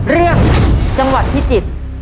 เรื่องจังหวัดพิจิตร